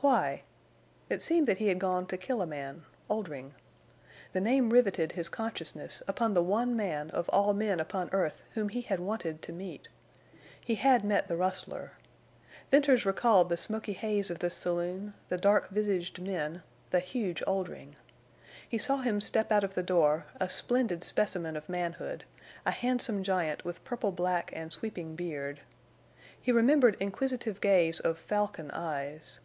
Why? It seemed that he had gone to kill a man—Oldring! The name riveted his consciousness upon the one man of all men upon earth whom he had wanted to meet. He had met the rustler. Venters recalled the smoky haze of the saloon, the dark visaged men, the huge Oldring. He saw him step out of the door, a splendid specimen of manhood, a handsome giant with purple black and sweeping beard. He remembered inquisitive gaze of falcon eyes.